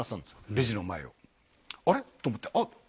レジの前をあれ？と思ってあっ